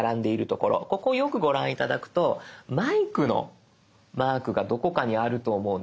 ここをよくご覧頂くとマイクのマークがどこかにあると思うんです。